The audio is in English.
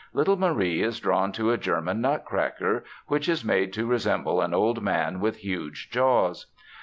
Little Marie is drawn to a German Nutcracker, which is made to resemble an old man with huge jaws.